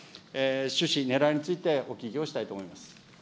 趣旨、ねらいについてお聞きをしたいと思います。